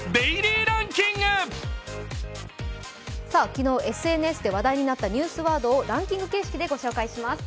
昨日、ＳＮＳで話題になったニュースワードをランキング形式でお届けします。